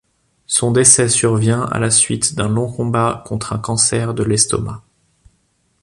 Son décès survient à la suite d'un long combat contre un cancer de l'estomac.